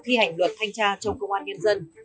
thi hành luật thanh tra trong công an nhân dân